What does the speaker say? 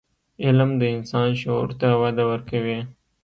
علم د انسان شعور ته وده ورکوي.